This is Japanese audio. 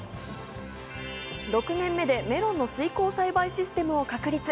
６年目でメロンの水耕栽培システムを確立。